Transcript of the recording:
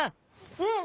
うん！